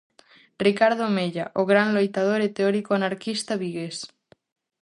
Ricardo Mella, o gran loitador e teórico anarquista vigués.